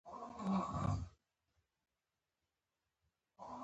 د خدای ټول صفتونه یې بې له تأویله منل.